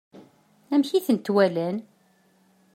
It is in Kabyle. Amek i tent-walan?